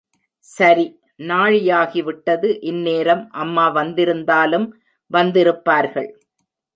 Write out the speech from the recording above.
சரி, நாழியாகிவிட்டது இந்நேரம் அம்மா வந்திருந்தாலும் வந்திருப்பார்கள்.